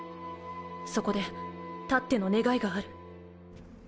そこで達ての願いがある。